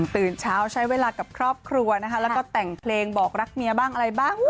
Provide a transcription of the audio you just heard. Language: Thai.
ตื่นเช้าใช้เวลากับครอบครัวนะคะแล้วก็แต่งเพลงบอกรักเมียบ้างอะไรบ้าง